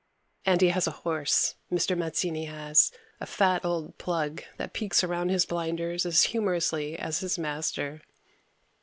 And he has a horse, Mr. Mazzini has, a fat old plug that peeks around his blinders as humorously as his master.